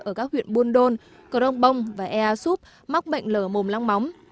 ở các huyện buôn đôn cờ đông bông và ea súp mắc bệnh lờ mồm long móng